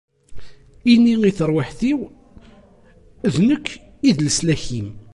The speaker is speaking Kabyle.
Ini i terwiḥt-iw: D nekk i d leslak-im.